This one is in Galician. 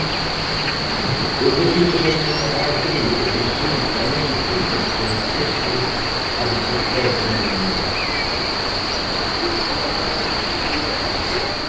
Os veciños aínda non dan crido que presuntamente pertencesen a Resistencia Galega.